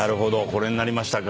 これになりましたか。